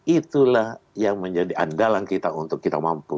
itulah yang menjadi andalan kita untuk kita mampu